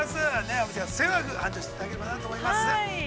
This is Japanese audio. お店が末永く、繁盛していただければと思います。